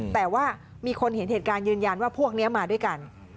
แต่ว่ามีคนเห็นเหตุการณ์ยืนยันว่าพวกนี้มาด้วยกัน